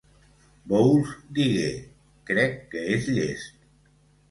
Bowles digué: crec que és llest.